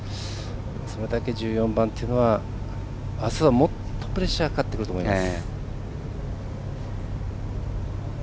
それだけ１４番というのはあすは、もっとプレッシャーかかってくると思います。